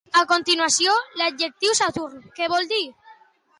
A continuació, l'adjectiu saturn què vol dir?